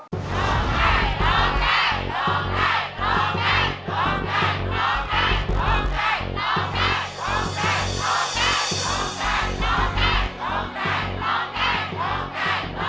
ร้องได้ร้องได้ร้องได้